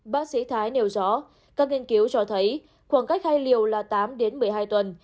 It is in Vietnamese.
bác sĩ thái nêu rõ các nghiên cứu cho thấy khoảng cách hai liều là tám đến một mươi hai tuần